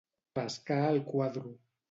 Pescar al quadro.